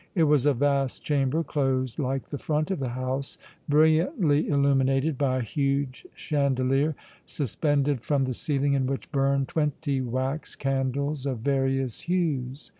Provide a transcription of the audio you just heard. It was a vast chamber, closed like the front of the house, brilliantly illuminated by a huge chandelier suspended from the ceiling in which burned twenty wax candles of various hues.